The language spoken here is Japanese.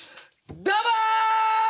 どうも！